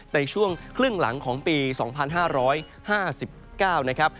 ในช่วงครึ่งหลังของปี๒๕๕๙นะครับ